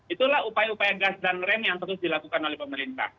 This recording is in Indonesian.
itulah upaya upaya gas dan rem yang terus dilakukan oleh pemerintah